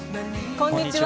こんにちは。